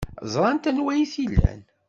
Ẓrant anwa ay t-ilan.